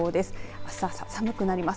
あす朝、寒くなります。